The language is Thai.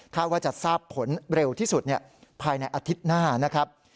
ว่าจะทราบผลเร็วที่สุดภายในอาทิตย์หน้านะครับ